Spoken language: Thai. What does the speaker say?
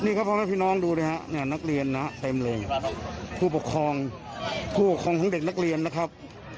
นี่ครับพ่อแม่พี่น้องดูดิฮะเนี่ยนักเรียนนะเต็มเลยผู้ปกครองผู้ปกครองของเด็กนักเรียนนะครับ